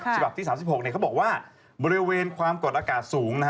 ฉบับที่๓๖เขาบอกว่าบริเวณความกดอากาศสูงนะฮะ